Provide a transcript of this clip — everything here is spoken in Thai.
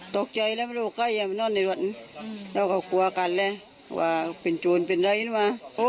ตกใจแล้วไม่รู้ว่าใกล้เราว่ากลัวกันเลยว่าเป็นชูนเป็นไรนะคะ